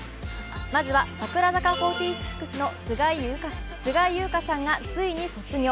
まずは櫻坂４６の菅井友香さんがついに卒業。